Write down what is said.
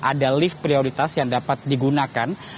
ada lift prioritas yang dapat digunakan